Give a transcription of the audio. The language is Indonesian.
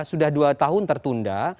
sudah dua tahun tertunda